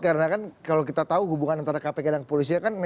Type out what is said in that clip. karena kan kalau kita tahu hubungan antara kpk dan kepolisian kan